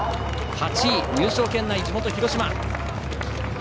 ８位、入賞圏内地元・広島。